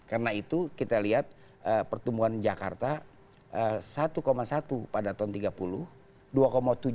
karena itu kita lihat pertumbuhan jakarta satu satu pada tahun seribu sembilan ratus tiga puluh